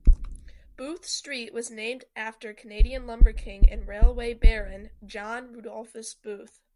Booth Street was named after Canadian lumber king and railway baron John Rudolphus Booth.